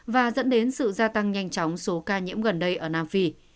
và dẫn đến sự gia tăng nhanh chóng số ca nhiễm gần đây ở nam phi